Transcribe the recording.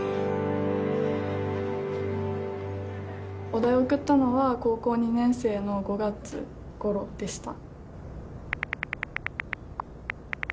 お題を送ったのは高校２年生の５月ごろでした。